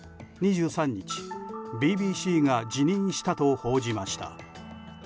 ２３日、ＢＢＣが辞任したと報じました。